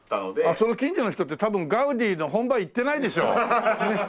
その近所の人って多分ガウディの本場行ってないでしょ？